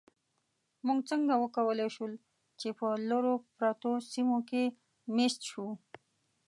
موږ څنګه وکولی شول، چې په لرو پرتو سیمو کې مېشت شو؟